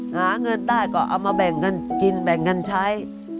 หาเงินได้ก็เอามาแบ่งกันกินแบ่งกันใช้